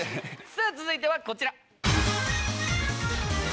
さぁ続いてはこちら。